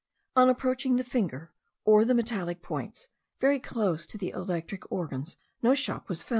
On approaching the finger, or the metallic points, very close to the electric organs, no shock was felt.